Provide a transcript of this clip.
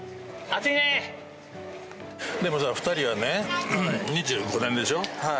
でもさ２人はね２５年でしょ。